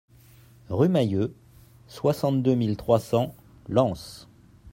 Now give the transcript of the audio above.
Rue Mayeux, soixante-deux mille trois cents Lens